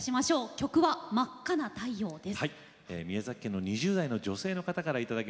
曲は「真赤な太陽」です。